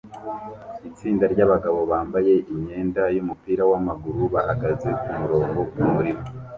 Itsinda ryabagabo bambaye imyenda yumupira wamaguru bahagaze kumurongo kumurima